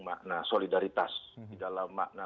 makna solidaritas di dalam makna